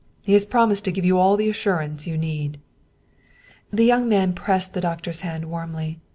He has promised to give you all the assurance you need." The young man pressed the doctor's hand warmly.